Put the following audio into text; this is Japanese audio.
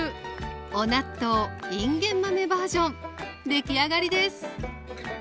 おなっとういんげん豆バージョン出来上がりです